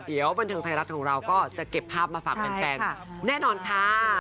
เดี๋ยวบันเทิงไทยรัฐของเราก็จะเก็บภาพมาฝากแฟนแน่นอนค่ะ